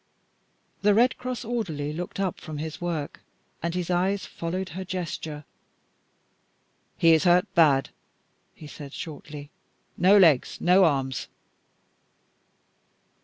The Red Cross orderly looked up from his work, and his eyes followed her gesture. "He is hurt bad," he said shortly; "no legs, no arms."